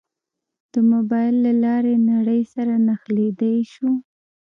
د موبایل له لارې نړۍ سره نښلېدای شو.